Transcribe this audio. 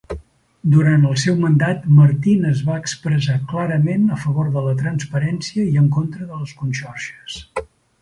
Durant el seu mandat, Martin es va expressar clarament a favor de la transparència i en contra de les conxorxes.